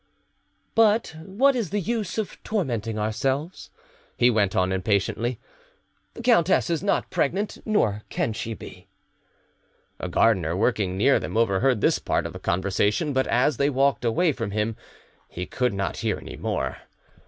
"But what is the use of tormenting ourselves?" he went on impatiently; "the countess is not pregnant, nor can she be." A gardener working near them overheard this part of the conversation, but as they walked away from him he could not hear any more.